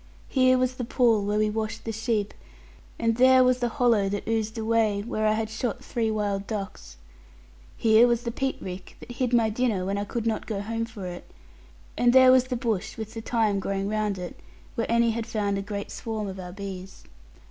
Here was the pool where we washed the sheep, and there was the hollow that oozed away, where I had shot three wild ducks. Here was the peat rick that hid my dinner, when I could not go home for it, and there was the bush with the thyme growing round it, where Annie had found a great swarm of our bees.